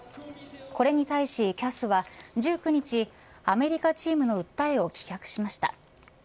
これに対し、ＣＡＳは１９日、アメリカチームの訴えを棄却しました。